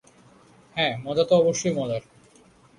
হ্যাঁ মজা তো অবশ্যই মজার?